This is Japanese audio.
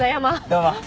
どうも。